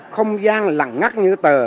không gian lặng ngắt như tờ